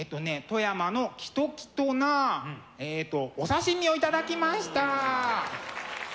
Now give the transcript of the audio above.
富山のきときとなえっとお刺身を頂きました。